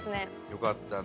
よかったね。